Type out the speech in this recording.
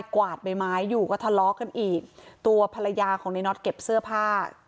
กวาดใบไม้อยู่ก็ทะเลาะกันอีกตัวภรรยาของในน็อตเก็บเสื้อผ้า